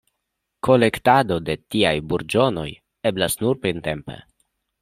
Kolektado de tiaj burĝonoj eblas nur printempe.